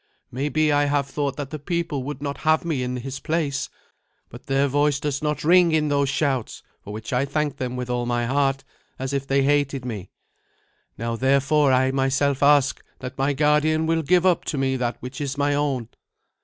Maybe I have thought that the people would not have me in his place; but their voice does not ring in those shouts, for which I thank them with all my heart, as if they hated me. Now, therefore, I myself ask that my guardian will give up to me that which is my own."